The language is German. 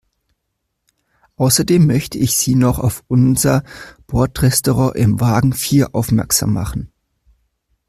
Außerdem möchte ich Sie noch auf unser Bordrestaurant in Wagen vier aufmerksam machen.